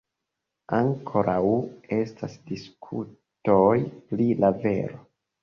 Ankoraŭ estas diskutoj pri la vero.